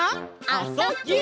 「あ・そ・ぎゅ」